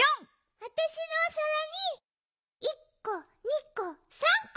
あたしのおさらに１こ２こ３こ。